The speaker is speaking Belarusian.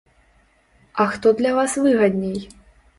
А хто для вас выгадней?